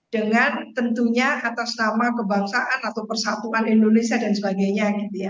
dengan tentunya atas nama kebangsaan atau persatuan indonesia dan sebagainya